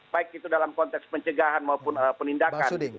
baik itu dalam konteks pencegahan maupun penindakan